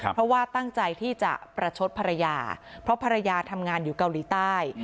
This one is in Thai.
เพราะว่าตั้งใจที่จะประชดภรรยาเพราะภรรยาทำงานอยู่เกาหลีใต้